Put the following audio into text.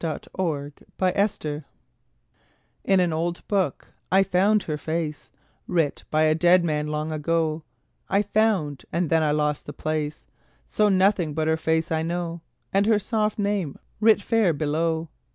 A FACE IN A BOOK In an old book I found her face Writ by a dead man long ago I found, and then I lost the place; So nothing but her face I know, And her soft name writ fair below.